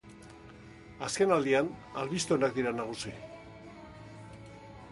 Azken aldian albiste onak dira nagusi.